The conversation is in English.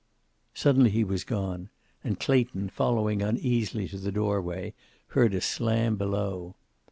Suddenly he was gone, and Clayton, following uneasily to the doorway, heard a slam below.